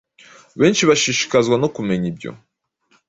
Benshi bashishikazwa no kumenya ibyo